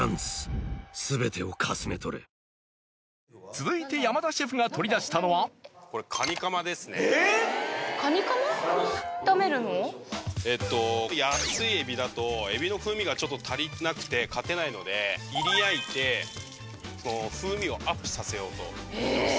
続いて山田シェフが取り出したのは安いエビだとエビの風味が足りなくて勝てないのでいり焼いて風味をアップさせようと思ってます。